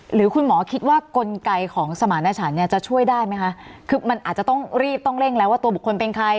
หรือคุณหมอคิดว่ากลไกของสมารณชันเนี่ยจะช่วยได้ไหมคะคือมันอาจจะต้องรีบต้องเร่งแล้วว่าตัวบุคคลเป็นใคร